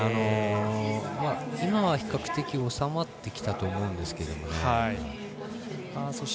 今は比較的収まってきたと思うんですけど。